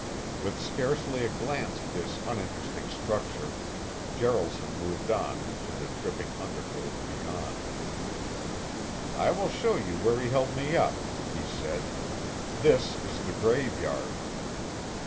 With scarcely a glance at this uninteresting structure Jaralson moved on into the dripping undergrowth beyond. "I will show you where he held me up," he said. "This is the graveyard."